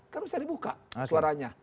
kan bisa dibuka suaranya